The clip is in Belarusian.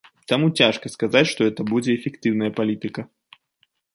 Таму цяжка сказаць, што гэта будзе эфектыўная палітыка.